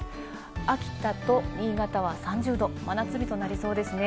秋田と新潟は３０度、真夏日となりそうですね。